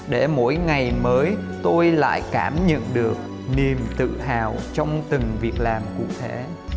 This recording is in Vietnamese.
để mỗi ngày mới tôi lại cảm nhận được niềm tự hào trong từng việc làm của tôi